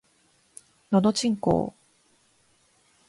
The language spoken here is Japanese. のどちんこぉ